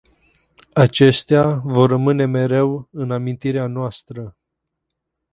Acestea vor rămâne mereu în amintirea noastră.